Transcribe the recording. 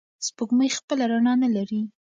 سپوږمۍ خپله رڼا نلري.